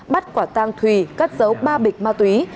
bắt quả tang thùy cắt giấu ba bịch ma túy